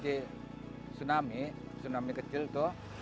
tadi tsunami tsunami kecil tuh